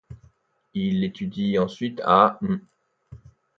Il étudie ensuite à l'.